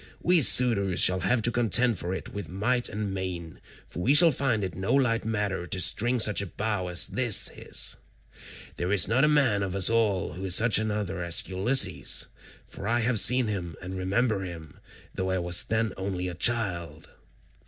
We suitors shall have to contend for it with might and main, for we shall find it no light matter to string such a bow as this is. There is not a man of us all who is such another as Ulysses; for I have seen him and remember him, though I was then only a child."